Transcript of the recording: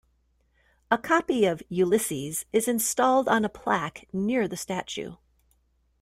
A copy of "Ulysses" is installed on a plaque near the statue.